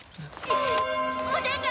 お願い！